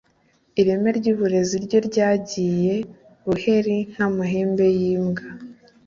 ireme ry’uburezi ryo ryagiye buhere nk’amahembe y’imbwa